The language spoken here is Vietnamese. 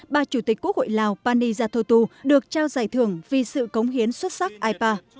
bà chủ tịch quốc hội lào pani yathotu được trao giải thưởng vì sự cống hiến xuất sắc ipa